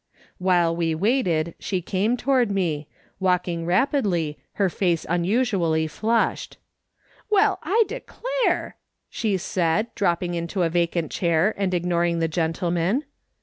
While we waited she came toward me, walking rapidly, her face unusually flushed. "Well, I declare !" she said, dropping into a vacant chair, and ignoring the gentleman.